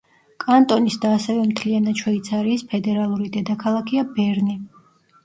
კანტონის და ასევე მთლიანად შვეიცარიის ფედერალური დედაქალაქია ბერნი.